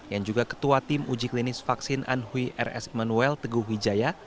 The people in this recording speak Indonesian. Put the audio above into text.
yang juga ketua tim uji klinis vaksin anhui rs immanuel teguh wijaya